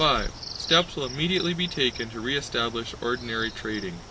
(5) Steps will immediately be taken to re establish ordinary trading.